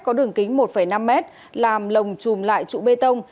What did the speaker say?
có đường kính một năm mét làm lồng chùm lại trụ bê tông